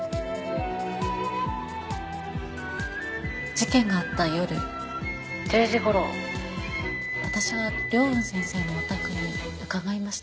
事件があった夜１０時頃私は凌雲先生のお宅に伺いました。